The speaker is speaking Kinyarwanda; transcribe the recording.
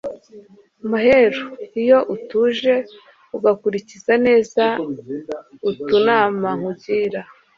maheru iyo utuje ugakulikiza neza utunama nkugira